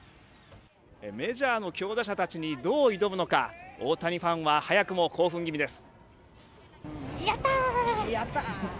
メジャーの強打者たちにどう挑むのか大谷ファンは早くも興奮気味です。